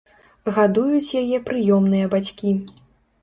Гадуюць яе прыёмныя бацькі.